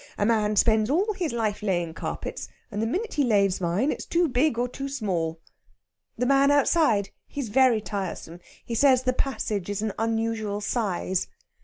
A man spends all his life laying carpets, and the minute he lays mine it's too big or too small." "The man outside? He's very tiresome. He says the passage is an unusual size."